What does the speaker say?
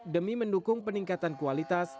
demi mendukung peningkatan kualitas